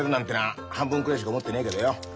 あ半分くらいしか思ってねえけどよ。